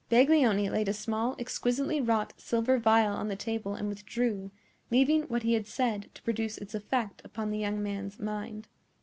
Baglioni laid a small, exquisitely wrought silver vial on the table and withdrew, leaving what he had said to produce its effect upon the young man's mind.